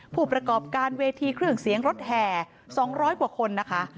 ผู้ประกอบการเวทีเครื่องเสียงรถแห่๒๐๐กว่าคนนะคะ